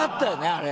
あれ。